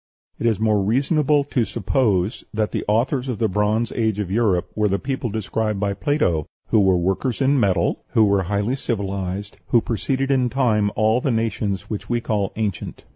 It is more reasonable to suppose that the authors of the Bronze Age of Europe were the people described by Plato, who were workers in metal, who were highly civilized, who preceded in time all the nations which we call ancient.